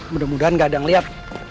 mudah mudahan gak ada yang lihat